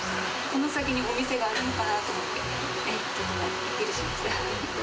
この先にお店があるのかなと思って、びっくりしました。